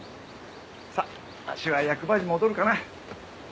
「さっわしは役場に戻るかな」